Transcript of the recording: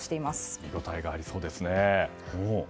見応えがありそうですね。